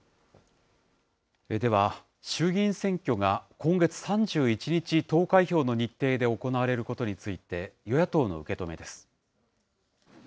では、衆議院選挙が今月３１日投開票の日程で行われることについて、与野党の受け止めです。